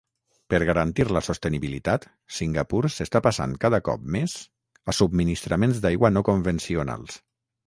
Per garantir la sostenibilitat, Singapur s'està passant cada cop més a subministraments d'aigua no convencionals.